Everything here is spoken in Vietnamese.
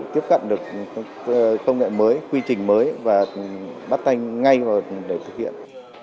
tiếp cận được công nghệ mới quy trình mới và bắt tay ngay để thực hiện